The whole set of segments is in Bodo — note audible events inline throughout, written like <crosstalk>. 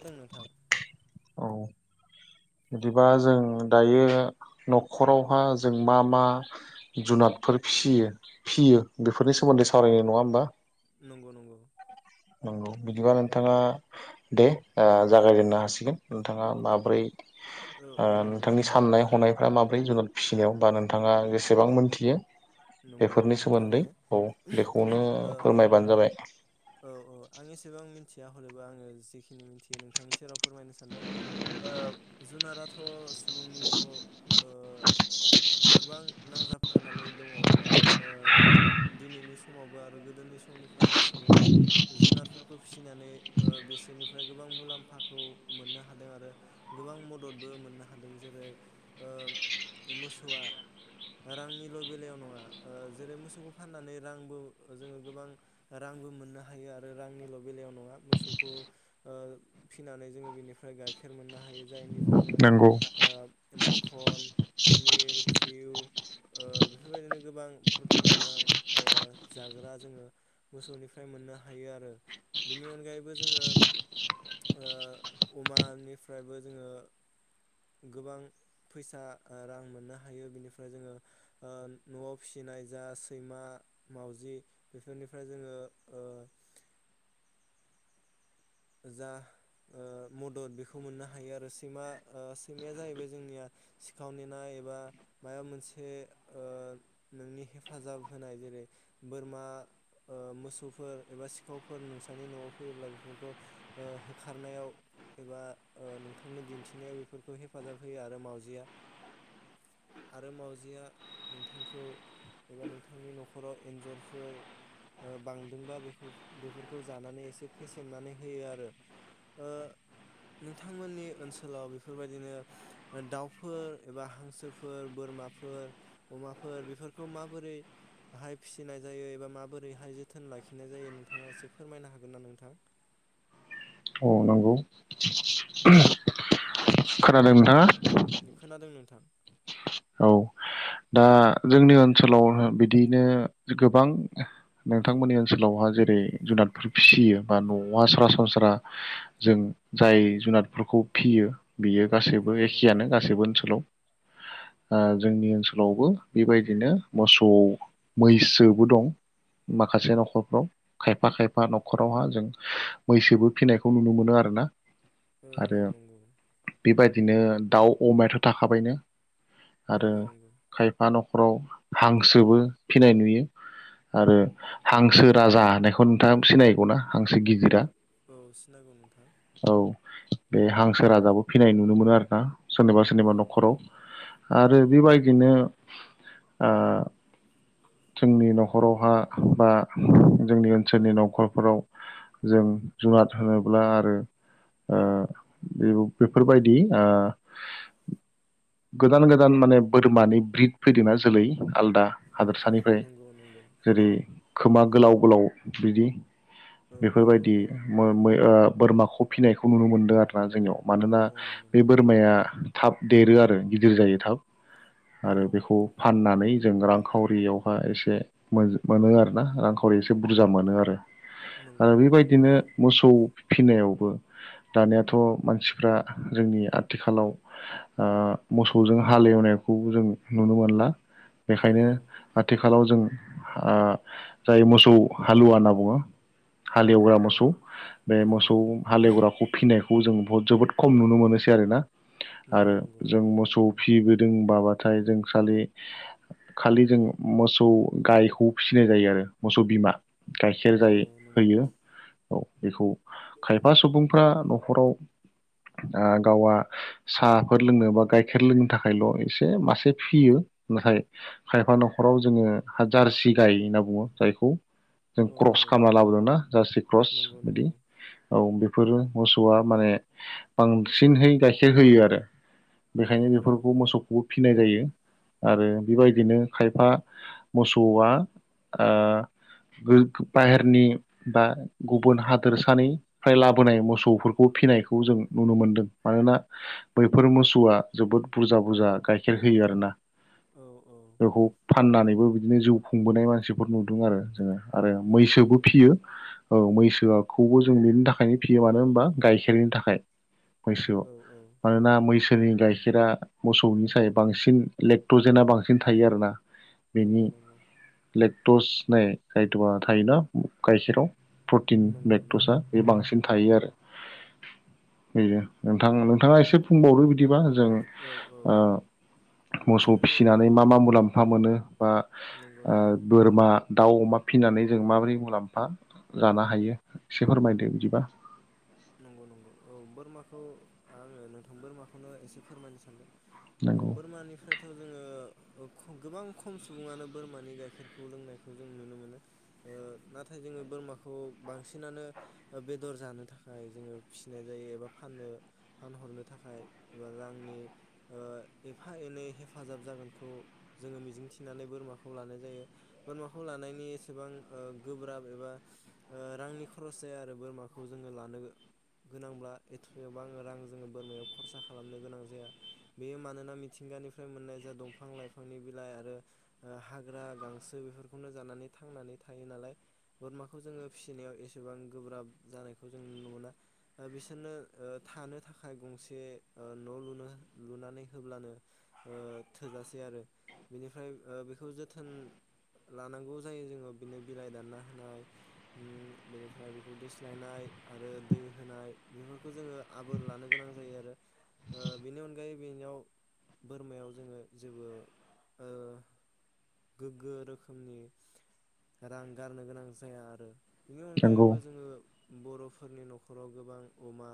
दों नोथां औ बिदिबा जों दायो न'खरावहा जों मा मा जुनादफोर फियो फियो बेफोरनि सोमोन्दै सावरायनाय नङा होमबा? नंगौ नंगौ नंगौ बिदिबा नोंथाङा दे जागायजेननो हासिगोन नोंथाङा माब्रै औ औ ओ नंगौ नोंथांनि नंगौ साननाय हनायफ्रा माब ब्रै जुनाद फिसिनायाव बा नोंथाङा जेसेबां मोनथियो नंगौ बेफोरनि नंगौ सोमोन्दै थारैनो औ आं बेखौनो ओ फोरमायबानो जाबाय। औ औ आं एसेबां मिथिया हलबो आङो जिखिनि मिथियो नोंथांनि सेराव फोरमायनो सानदों ओ जुनाराथ' सुबुंनि जिउआव ओ गोबां नांजाबफानानै दङ। ओ दिनैनि समावबो आरो गोदोनि समनिफ्रायनो सुबुङा जुनारफोरखौ फिसिनानै ओ बिसोरनिफ्राय गोबां मुलाम्फाखौ मोननो हादों आरो गोबां मददबो मोननो हादों जेरै ओ मोसौआ रांनिल' बेलायाव नङा। ओ जेरै मोसौखौ फाननानै रांबो जोङो गोबां रांबो मोननो हायो आरो रांनिल' बेलायाव नङा मोसौखौ ओ फिनानै जोङो बेनिफ्राय गाइखेर मोननो हायो जायनि ओमफ्राय जोङो ओ नंगौ मखन पनिर घिउ ओ बेफोरबायदिनो गोबां प्र्रटिन गोनां ओ जाग्रा जोङो मोसौनिफ्राय मोननो हायो आरो बिनि अनगायैबो जोङो ओ अमानिफ्रायबो जोङो गोबां फैसा रां मोननो हायो बिनिफ्राय जोङो ओ न'आव फिसिनाय जा सैमा मावउजि बेफोरनिफ्राय जोङो ओ जा ओ मदद बेखौ मोननो हायो आरो सैमा सैमाया जाहैबाय जोंनिया सिखाव नेनाय एबा माबा मोनसे ओ नोंनि हेफाजाब होनाय जेरै बोरमा ओ मोसौफोर एबा सिखावफोर नोंसोरनि न'आव फैयोब्ला बेफोरखौ ओ होखारनायाव एबा ओ नोंथांनो दिन्थिनायाव बेफोरखौ हेफाजाब होयो आरो मावजिया आरो मावजिया नोंथांखौ एबा नोंथांनि न'खराव एन्जरफोर ओ बांदोंबा बे बेफोरखौ जानानै एसे फेसेमनानै होयो आरो ओ नोंथांमोननि ओनसोलाव बेफोरबायदिनो दाउफोर एबा हांसोफोर बोरमाफोर अमाफोर बेफोरखौ माबोरैहाय फिसिनाय जायो एबा माबोरैहाय जोथोन लाखिनाय जायो नोंथाङा एसे फोरमायनो हागोन ना नोंथां? औ नंगौ खोनादों नोंथाङा? खोनादों नोंथां औ दा जोंनि ओनसोलाव बिदिनो गोबां नोंथांमोननि ओनसोलावहा जेरै जुनादफोर फिसियो बा न'हा सरासनस्रा जों जाय जुनादफोरखौ फियो। बियो गासैबो नंगौ नंगौ एखेयानो गासैबो ओनसोलाव। ओ जोंनि ओनसोलावबो बेबायदिनो मोसौ मैसोबो दं माखासे न'खरफ्राव खायफा खायफा न'खरावहा जों मैसोबो फिसिनायखौ नुनो मोनो आरोना। औ औ आरो नंगौ बेबायदि बिदिनो दाउ अमायाथ' थाखाबायनो। आरो नंगौ नंगौ खायफा नखर न'खराव हांसोबो फिनाय नुयो आरो हांसो राजा होननायखौ नोंथाङा सिनायगौना हांसो गिदिरा। औ सिनांगौ नोंथां औ बे हांसो राजाबो फिनाय नुनो मोनो आर ना सोरनिबा औ सोरनिबा औ न'खराव आरो बेबायदिनो ओ जोंनि न'खरावहा बा जोंनि ओनसोलनि न'खरफोराव जों जुनाद होनोब्ला आरो ओ बे बेफोरबायदि आ गोदान गोदान माने बोरमानि ब्रिद फैदों नना जोलै आलदा। हादोरसानिफ्राय नंगौ नंगौ जेरै फैदों खोमा गोलाव। फुलाव थुदि औ बेफोरबायदि नंगौ मो मो बोरमाखौ फिनायखौ नुनो मोनदों आरो आ जोंनियाव औ मानोना औ नंगौ बे नंगौ बोरमाया थाब देरो आरो गिदिर जायो थाब औ आरो बेखौ फाननानै जों रांखावरियावहा एसे मोन मोनो आरोना रां खावरि एसे बुरजा मोनो आरो नंगौ आरो नंगौ बेबायदिनो मोसौ फिनायावबो दानियाथ' मानसिफ्रा जोंनि आथिखालाव ओ मोसौजों हालेवनायखौ जों नुनो मोनला। बेखायनो नंगौ आथिखालाव जों ओ जाय मोसौ हालुवा होनना बुङो। औ हालेवग्रा औ मोसौ बे नंगौ मोसौ हालेवग्राखौ फिनायखौ खौ जों बहत जोबोद खम नु मोनोसै आरो ना नंगौ नंगौ मोसौ फिसिबोदोंबाबाथाय जों खालि खालि जों मोसौ गायखौ फिसिनाय जायो आरो मोसौ बिमा गाइखेर जायो नंगौ नंगौ नंगौ होयो। औ बेखौ खायफा सुबुं फ्रा न'खराव आं गावा साहाफोर लोंनो बा गाइखेर लोंनो थाखायल' एसे मासे फियो नाथाय खायफा न'खराव जोङो जारसि गाय होनना बुङो जायखौ जों औ औ क्रस खालामना लाबोदोंना जारसि क्रस नंगौ बिदि नंगौ औ बे बेफोर मोसौआ माने बांसिनहै गाइखेर होयो आरो औ बेखायनो औ बेफोरखौ मोसौखौ फिनाय जायो आरो बेबायदिनो खायफा मोसौआ ओ गो बाहेरनि बा गुबुन हादोरसानिफ्राय लाबोनाय मोसौफोरखौ फिनायखौ जों नुनो मोनदों मानोना बैफोर मोसौवा जोबोद बुरजा बुरजा गाइखेर होयो आरोना औ औ बेखौ फाननानैबो बिदिनो जिउ खुंबोनाय मानसिफोर नुदों आरो जोङो आरो नंगौ मैसोबो नंगौ फियो औ मैसो खौबो जों बिनि थाखायनो फियो मानो होनबा गाइखेरनि थाखाय मैसोवाव औ औ मानोना मैसोनि गाय गाइखेरा मोसौनि साय बांसिन लेक्टजेना बांसिन थायो आरोना। बिनि नंगौ नंगौ लेक्टस नाय खायद'वा थायोना गायखेराव प्रटिन नंगौ लेक्टसा नंगौ बे बांसिन थायो आरो बेनो नोंथां नोंथाङा एसे बुंबावदो बिदिबा जों औ औ ओ मोसौ जोंनि फिसिनानै मा मा मुलाम्फा मोनो बा नंगौ ओ नंगौ बोरमा दाउ, अमा फिनानै जों माबोरै मुलाम्फा जानो हायो एसे फोरमायदो बिदिबा नंगौ नंगौ औ बोरमाखौ आङो नोंथां बोरमाखौनो एसे फोरमायनो सानदों। औ नंगौ बोरमानि फ्रायथ' जोङो ओ गोबां खम सुबुङानो बोरमानि गाइखेरखौ लोंनायखौ जों नुनो मोनो ओ नाथाय जोङो बोरमाखौ बांसिनानो बेदर जानो था खाय जोङो फिसिनाय जायो एबा फाननो फानहरनो थाखाय एबा रांनि ओ एफा एनै हेफाजाब जागोनखौ जोङो मिजिंथिनानै बोरमाखौ लानाय जायो बोरमाखौ लानायनि एसेबां ओ गोब्राब एबा ओ रांनि खरस जाया आरो बोरमाखौ जोङो ला नो गोनांब्ला एसेबां रां जोङो बोरमायाव खरसा खालामनो गोनां जाया बेयो मानोना गोनांब्ला एथबां जोङो बोरमायाव खरसा खालामनो गोनां जाया। बेयो मानोना मिथिंगानिफ्राय मोननाय जा दंफां-लाइफांनि बिलाइ आरो हाग्रा गांसो बेफोरखौनो जानानै थांनानै थायो नालाय बोरमाखौ जोङो फिसिनायाव एसेबां गोब्राब जानायखौ जों न'ना ओ बिसोरनो ओ थानो थाखाय गंसे ओ न' लुनो लुनानै होब्लानो ओ थोजासे आरो बेनिफ्राय ओ बेखौ जोथोन लानांगौ जायो जोङो बिनो बिलाइ दानना होनाय उम बेनिफ्राय बेखौ दोस्लायनाय आरो दै होनाय बेफोरखौ जोङो आबोर लानो गोनां जायो आरो ओ बेनि अनगायै बेनयाव बोरमायाव जोङो जेबो ओ गोग्गो रोखोमनि रां गारनो गोनां जाया आरो बेनि नंगौ अनगायैबो जोङो बर' फोरनि न'खराव गोबां अमा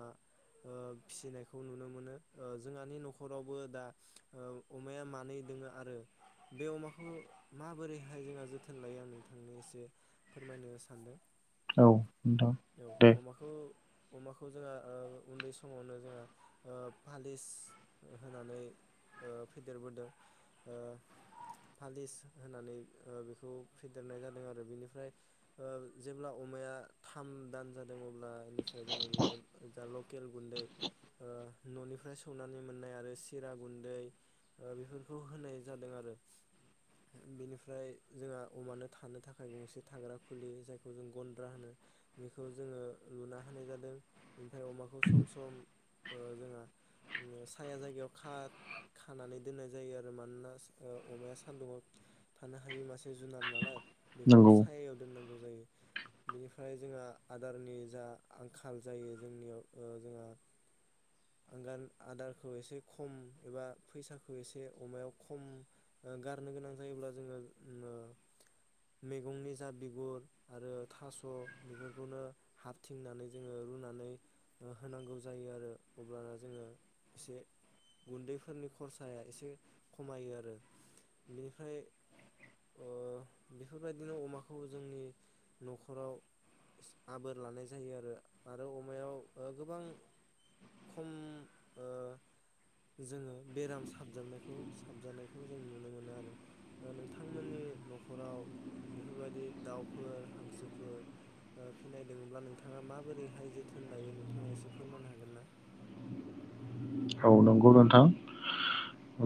ओ फिसिनायखौ नुनो मोनो ओ जोंहानि न'खरावबो दा ओ अमाया मानै दोङो आरो बे अमाखौ माबोरैहाय जोंहा जोथोन लायो आं नोंथांनो एसे फोरमायनो सानदों। औ नोंथां औ अमाखौ अमाखौ जोंहा ओ उन्दै समावनो जोंहा ओ फालिस होनानै ओ फेदेरबोदों ओ फालिस होनानै ओ बेखौ फेदेरनाय जादों आरो बेनिफ्राय ओ जेब्ला अमाया थाम दान जा जों अब्लानिफ्राय जोङो बिबदिनो लकेल गुन्दै ओ ननिफ्राय सौनानै मोननाय आरो सिरा गुन्दै ओ बेफोरखौ होनाय जादों आरो। बेनिफ्राय जोंहा अमानो थानो थाखाय गंसे थाग्रा खुलि जायखौ जों गन्द्रा होनो बेखौ जोङो लुना होनाय जादों। बिनिफ्राय अमाखौ सम सम जोंहा साया जायगायाव खा-खानानै दोननाय जायो आरो मानोना अमाया सान्दुंङाव थानो हायो मासे जुनार नालाय। बेखौ नंगौ सायायाव दोननांगौ जायो। बिनिफ्राय जोंहा आदारनि जा आंखाल जायो जोंनियाव ओ जोंहा आगान आदारखौ एसे खम एबा फैसाखौ एसे अमायाव खम ओ गारनो गोनां जायोब्ला जोङो ओ मैगंनि जा बिगुर आरो थास' बेफोरखौनो हाबथिंनानै जोङो रुनानै होनांगौ जायो आरो। अब्लाना जोङो एसे गुन्दैफोरनि खरसाया एसे खमायो आरो। बेनिफ्राय ओ बेफोरबायदिनो अमाखौ जोंनि न'खराव एस आबोर लानाय जायो आरो। आरो अमायाव गोबां खम ओ जोङो बेराम साबजाबनायखौ साबजानायखौ जों नुनो मोनो आरो। ओ नोंथांमोननि न'खराव बेफोरबायदि दाउफोर हांसोफोर ओ फिनाय दोङोब्ला नोंथाङा माबोरैहाय जोथोन लायो नोंथाङा एसे फोरमायनो हागोन ना? औ नंगौ नोंथां।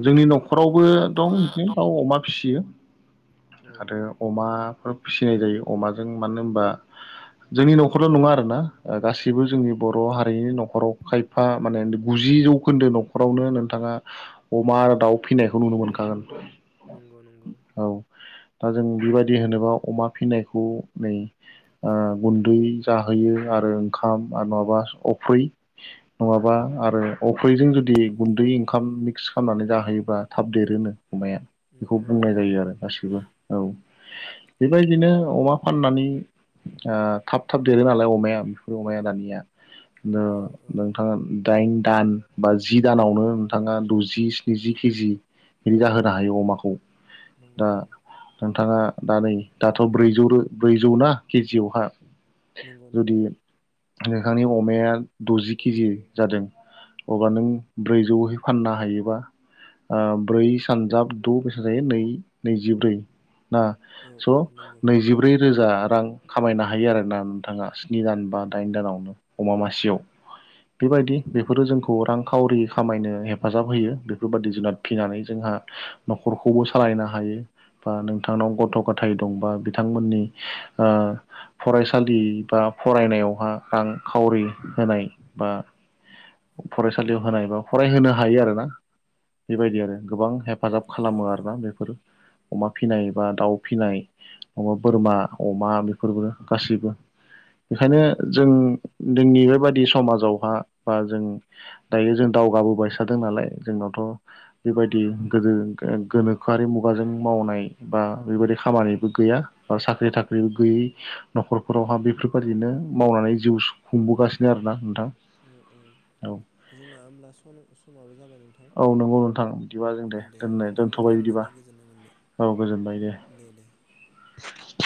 जोंनि नख रावबो दं बिदिनो दाउ अमा फिसियो। औ आरो औ अमाफोर फिसिनाय जायो अमाजों मानो होनबा जोंनि नखरल' नङा आरोना गासिबो जोंनि बर' हारिनि नखराव खायफा माने गुजि जौ खोन्दो न खरावनो नोंथाङा अमा आरो दाउ फिसिनायखौ नुनो मोनखागोन। नंगौ नंगौ औ। दा जों बेबा दि होनोबा अमा फिनायखौ नै ओ गुन्दै जाहोयो आरो ओंखाम आरो नङाबा उफ्रै नङाबा आरो अफ्रैजों जुदि गुन्दै ओंखाम मिक्स खालामनानै जाहोयोबा थाब देरोनो अमाया बेखौ नंगौ बुंनाय नंगौ जायो आरो गासैबो औ। बेबायदिनो अमा फाननानै ओ थाब थाब देरो नालाय अमाया बेफोर अमाया दानिया। दा औ औ नोंथाङा दाइन दान बा जि दानावनो नोंथाङा द'जि स्निजि केजि बिदि जाहोनो हायो अमाखौ। नंगौ दा नंगौ नोंथाङा दा नै दाथ' ब्रैजौ रो ब्रैजौ ना केजियावहा। नंगौ जुदि नंगौ। नोंथांनि अमाया दजि केजि जादों अब्ला नों ब्रैजौहै फाननो हायोबा ब्रै सानजाब द' बेसेबां जायो नै-नैजिब्रै ना औ औ नंगौ स' नैजिब्रै रोजा रां खामायनो हायो आरोना नोंथाङा स्नि दान बा दाइन दानावनो अमा मासेयाव। औ बेबायदि औ बेफोरो जोंखौ रांखावरि खामायनो हेफाजाब होयो बेफोरबादि जुनाद फिनानै जोंहा नखरखौबो सालायनो हायो बा नोंथांनाव गथ' गथाय दंबा बिथांमोननि ओ फरायसालि बा फरायनायावहा रांखावरि होनाय बा फरायसालियाव होनाय बा फरायहोनो हायो आरोना बेबायदि आरो। गोबां हेफाजाब अ खालामो अ आरोना बेफोर। अमा फिनाय एबा दाउ फिनाय बोरमा, अमा बेफोरबो गासिबो। बेखायनो नंगौ जों नंगौ जोंनि बेबायदि दि समाजावहा बा जों दायो जों दावगाबोबायसा थादों नालाय जोंनावथ' बेबायदि गोदो गोनोखोआरि मुगाजों मावनाय बा बेबायदि खामानिबो गैया बा साख्रि थाखाख्रिबो गैयै न'खरफोरावहा बेफोरबायदिनो मावनानै जिउ खुंबोगासिनो आरोना नोंथां। औ औ नंगौ नोंथां बिदिबा <inaudible> जों दे दोननो दोनथ'बाय बिदिबा औ गोजोनबाय दे <inaudible>